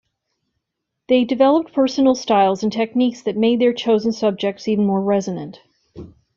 They developed personal styles and techniques that made their chosen subjects even more resonant.